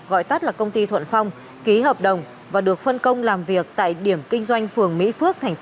gọi tắt là công ty thuận phong ký hợp đồng và được phân công làm việc tại điểm kinh doanh phường mỹ phước